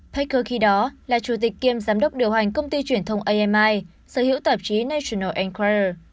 pecker khi đó là chủ tịch kiêm giám đốc điều hành công ty truyền thông ami sở hữu tạp chí national enquirer